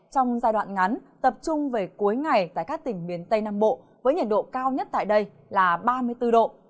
trong giai đoạn ngắn tập trung về cuối ngày tại các tỉnh miền tây nam bộ với nhiệt độ cao nhất tại đây là ba mươi bốn độ